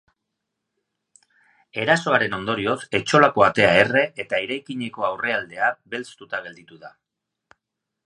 Erasoaren ondorioz, etxolako atea erre eta eraikineko aurrealdea belztuta gelditu da.